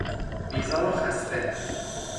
بیزار و خسته